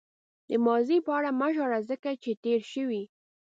د ماضي په اړه مه ژاړه ځکه چې تېر شوی.